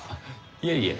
いえいえ。